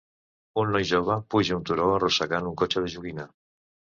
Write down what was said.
Un noi jove puja un turó arrossegant un cotxe de joguina.